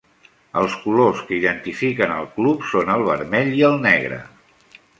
Els colors que identifiquen el club són el vermell i el negre.